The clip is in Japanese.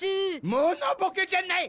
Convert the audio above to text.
モノボケじゃない！